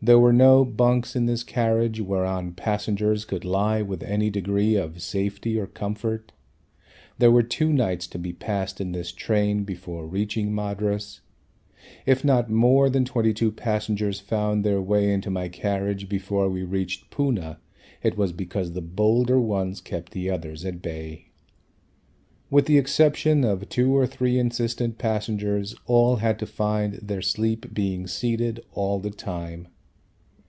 There were no bunks in this carriage whereon passengers could lie with any degree of safety or comfort. There were two nights to be passed in this train before reaching Madras. If not more than 22 passengers found their way into my carriage before we reached Poona, it was because the bolder ones kept the others at bay. With the exception of two or three insistent passengers, all had to find their sleep being seated all the time.